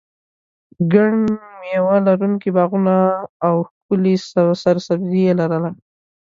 ګڼ مېوه لرونکي باغونه او ښکلې سرسبزي یې لرله.